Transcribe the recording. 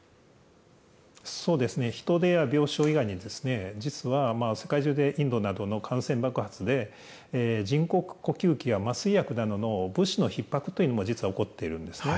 人手や病床以外に、実は世界中でインドなどの感染爆発で、人工呼吸器や麻酔薬などの物資のひっ迫というのも実は起こっているんですね。